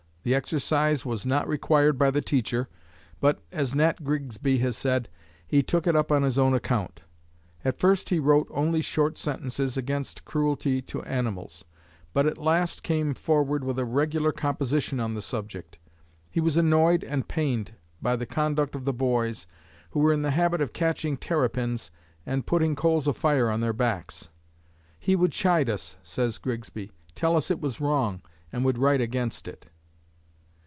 The exercise was not required by the teacher, but, as Nat Grigsby has said, "he took it up on his own account." At first he wrote only short sentences against cruelty to animals, but at last came forward with a regular composition on the subject. He was annoyed and pained by the conduct of the boys who were in the habit of catching terrapins and putting coals of fire on their backs. "He would chide us," says Grigsby, "tell us it was wrong, and would write against it."